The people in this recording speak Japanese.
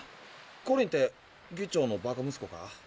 コリンって議長のバカ息子か？